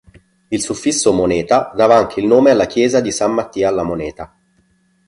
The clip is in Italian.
Il suffisso "moneta" dava anche il nome alla chiesa di San Mattia alla Moneta.